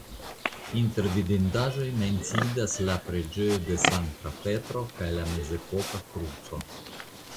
Inter vidindaĵoj menciindas la preĝejo de Sankta Petro kaj la mezepoka kruco.